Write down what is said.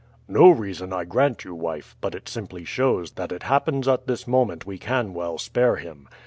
"No reason, I grant you, wife; but it simply shows that it happens at this moment we can well spare him.